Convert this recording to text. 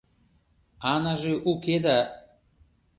Анаже уке да.